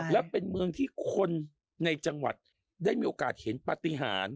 และเป็นเมืองที่คนในจังหวัดได้มีโอกาสเห็นปฏิหาร